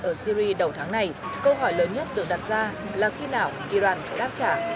ở syri đầu tháng này câu hỏi lớn nhất được đặt ra là khi nào iran sẽ đáp trả